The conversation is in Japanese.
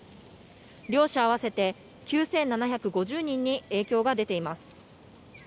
両社合わせて９７５０人に影響が出ています。